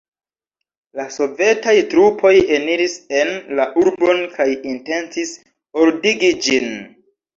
La sovetaj trupoj eniris en la urbon kaj intencis ordigi ĝin.